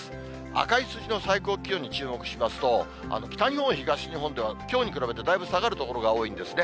赤い数字の最高気温に注目しますと、北日本、東日本では、きょうに比べてだいぶ下がる所が多いんですね。